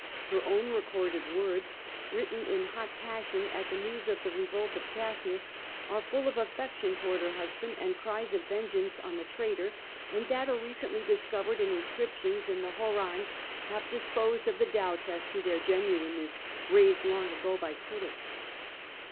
Her own recorded words, written 128 The Age of the A ntonines. a . d . in hot passion at the news of the revolt of Cassius, are full of affection towards her husband and cries of vengeance on the traitor, and data recently discovered in inscriptions in the Haurin have disposed of the doubts as to their genuineness raised long ago by critics.